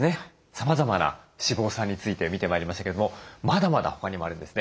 さまざまな脂肪酸について見てまいりましたけれどもまだまだ他にもあるんですね。